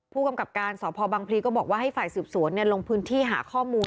ผู้กำกับการสพบังพลีก็บอกว่าให้ฝ่ายสืบสวนลงพื้นที่หาข้อมูล